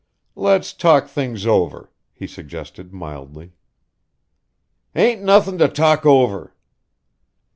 "Let's talk things over," he suggested mildly. "Ain't nothin' to talk over."